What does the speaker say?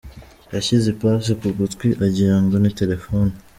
Yashyize ipasi ku gutwi agira ngo ni telefoni